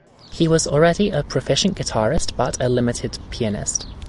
He was already a proficient guitarist but a limited pianist.